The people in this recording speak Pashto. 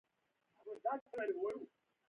آیا دوی کورونه او اپارتمانونه نه جوړوي؟